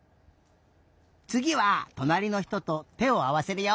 つぎはとなりのひとと手をあわせるよ。